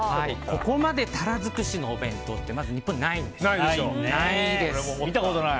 ここまでタラ尽くしのお弁当ってまず日本にないんです。